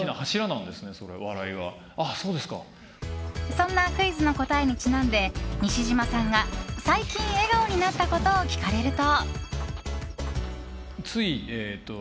そんなクイズの答えにちなんで西島さんが最近、笑顔になったことを聞かれると。